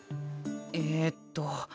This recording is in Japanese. えっと。